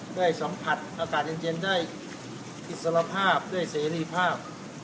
ได้สัมผัสอากาศเย็นได้อิสรภาพด้วยเสรีภาพ